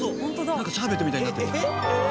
なんかシャーベットみたいになってる。